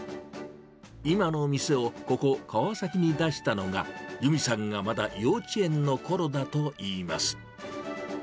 今の店をここ、川崎に出したのが由美さんがまだ幼稚園のころだといいます。